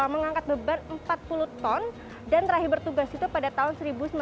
mengangkat beban empat puluh ton dan terakhir bertugas itu pada tahun seribu sembilan ratus sembilan puluh